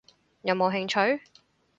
有冇興趣？